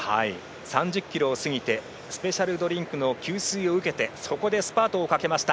３０ｋｍを過ぎてスペシャルドリンクの給水を受けてそこでスパートをかけました。